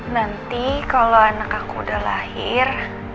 nanti kalau anak aku udah lahir